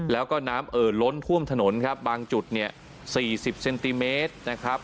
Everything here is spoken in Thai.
แล้วก็น้ำเอ่อล้นท่วมถนนครับบางจุดเนี่ย๔๐เซนติเมตรนะครับ